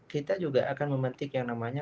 kita juga akan memetik yang namanya